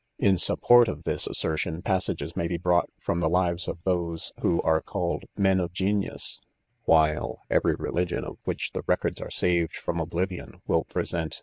In support of this assertion, passages may be brought from the lives of those who are culled iC men of genius^ while every religion of which the records are saved from oblivion,, will present